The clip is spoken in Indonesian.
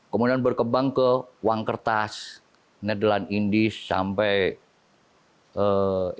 kemudian berkembang ke wangkertas nederland indies sampai indonesia